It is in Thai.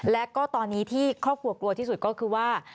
และก็ตอนนี้ที่ครอบครัวกลัวที่สุดก็คือว่า